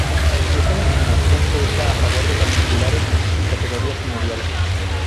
Esta enajenación fue hecha a favor de particulares sin categoría señorial.